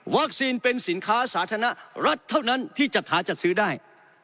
เป็นสินค้าสาธารณรัฐเท่านั้นที่จัดหาจัดซื้อได้